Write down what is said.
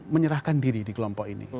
menyerahkan diri di kelompok ini